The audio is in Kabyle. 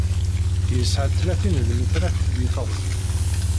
Yesɛa tlatin n lmitrat deg teɣzi.